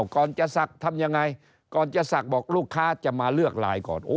ก่อนจะสักทำยังไงก่อนจะสักบอกลูกค้าจะมาเลือกลายก่อน